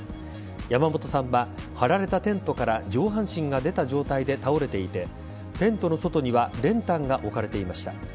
山本さんは張られたテントから上半身が出た状態で倒れていてテントの外には練炭が置かれていました。